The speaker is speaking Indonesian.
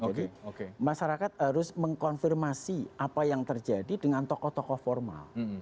jadi masyarakat harus mengkonfirmasi apa yang terjadi dengan tokoh tokoh formal